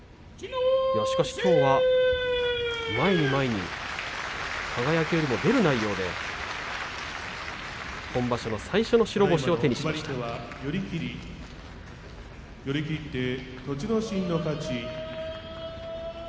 しかしきょうは前に前に輝よりも出る内容で今場所の最初の白星を手にしました栃ノ心。